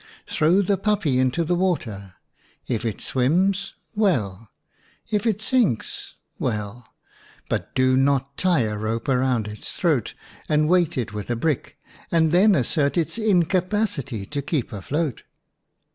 Throw the puppy into the water : if it swims, well ; if it sinks, well ; but do not tie a rope round its throat and weight it with a brick, and then assert its incapacity to keep afloat.